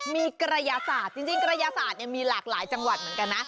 มีกระยาศาสตร์จริงกระยาศาสตร์มีหลากหลายจังหวัดเหมือนกันนะ